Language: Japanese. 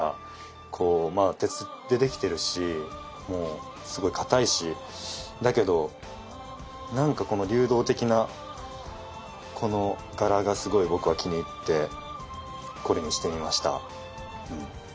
こうまあ鉄でできてるしもうすごいかたいしだけどなんかこの流動的なこの柄がすごい僕は気に入ってこれにしてみました。